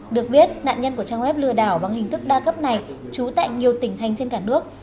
được biết nạn nhân của trang web lừa đảo bằng hình thức đa cấp này trú tại nhiều tỉnh thành trên cả nước